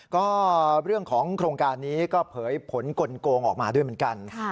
ก็เรื่องของโครงการนี้ก็เผยผลกลงออกมาด้วยเหมือนกัน